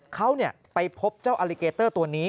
เขาไปพบเจ้าอลิเกเตอร์ตัวนี้